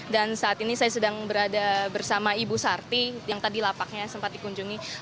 dan saat ini saya sedang berada bersama ibu sarti yang tadi lapaknya sempat dikunjungi